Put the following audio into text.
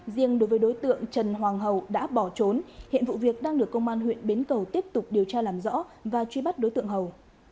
riêng đối với đối tượng trần hoàng hậu đã bỏ trốn hiện vụ việc đang được công an huyện bến cầu tiếp tục điều tra làm rõ và truy bắt đối tượng hầu